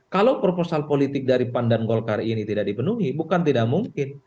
kalau proposal politik dari pan dan golkar ini tidak dipenuhi bukan tidak mungkin